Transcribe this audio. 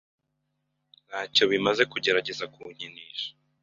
Ntacyo bimaze kugerageza kunkinisha.